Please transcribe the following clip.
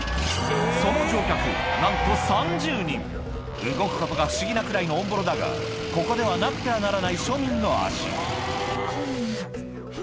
その乗客なんと動くことが不思議なくらいのオンボロだがここではなくてはならない庶民の足フ！